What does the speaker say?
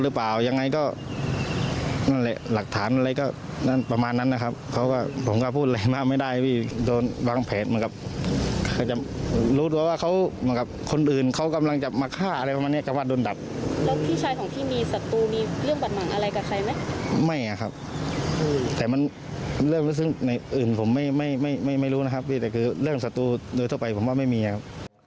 อื่นผมไม่รู้นะครับแต่คือเรื่องศัตรูโดยเท่าไปผมว่าไม่มีนะครับ